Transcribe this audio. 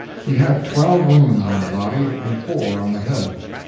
He had twelve wounds on the body and four on the head.